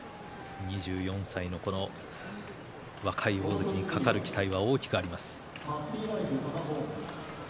２４歳の若い大関にかかる期待は大きくあります。